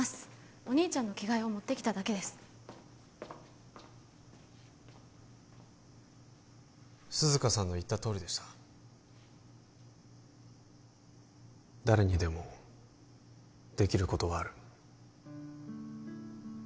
お兄ちゃんの着替えを持ってきただけです涼香さんの言ったとおりでした「誰にでもできることはある」